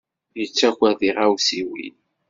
Yettaker tiɣawsiwin.